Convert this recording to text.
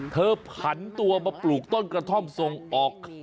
ผันตัวมาปลูกต้นกระท่อมทรงออก